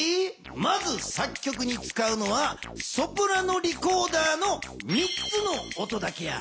まず作曲に使うのはソプラノリコーダーの３つの音だけや。